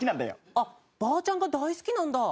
あっばあちゃんが大好きなんだ。